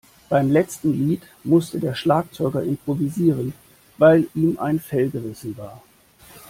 Beim letzten Lied musste der Schlagzeuger improvisieren, weil ihm ein Fell gerissen war.